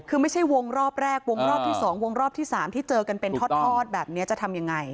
คือไม่ใช่วงรอบแรกวงรอบที่๒วงรอบที่๓ที่เจอกันเป็นทอดแบบนี้จะทำยังไง